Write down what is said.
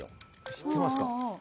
知ってますか。